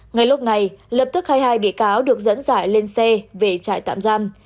ngay lúc này lập tức hai mươi hai bị cáo được dẫn giải lên xe về trại tạm giam